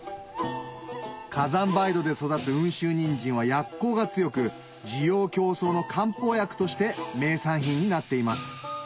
火山灰土で育つ雲州人参は薬効が強く滋養強壮の漢方薬として名産品になっています